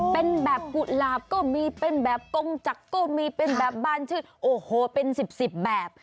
เป็นแบบกุหลาบก็มีเป็นแบบกงจักรก็มีเป็นแบบบ้านชื่อโอ้โหเป็นสิบสิบแบบ